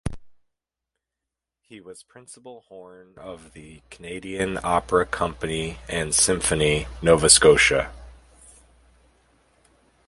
He was principal horn of the Canadian Opera Company and Symphony Nova Scotia.